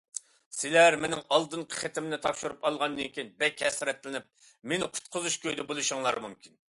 سىلەر مېنىڭ ئالدىنقى خېتىمنى تاپشۇرۇپ ئالغاندىن كېيىن بەك ھەسرەتلىنىپ، مېنى قۇتقۇزۇش كويىدا بولۇشۇڭلار مۇمكىن.